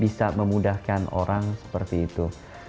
bisa memudahkan orang seperti itu